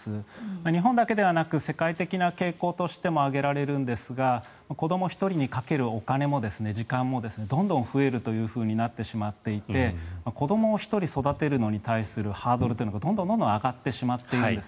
日本だけではなく世界的な傾向として挙げられるんですが子ども１人にかけるお金も時間もどんどん増えるというふうになってしまっていて子ども１人育てるのに対するハードルというのがどんどん上がってしまっているんです。